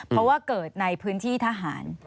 เพราะว่าเกิดในพื้นที่ทหาร